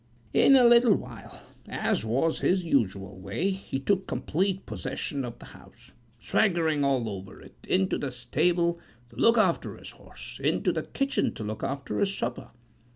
In a little while, as was his usual way, he took complete possession of the house: swaggering all over it; into the stable to look after his horse; into the kitchen to look after his supper.